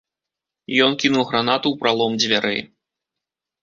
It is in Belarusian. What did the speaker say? Ён кінуў гранату ў пралом дзвярэй.